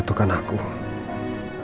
bahkan aku tak bisa sudah